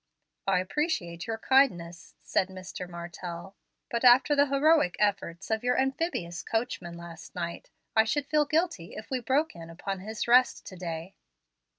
"I appreciate your kindness," said Mr. Martell, "but after the heroic efforts of your amphibious coachman last night, I should feel guilty if we broke in upon his rest to day."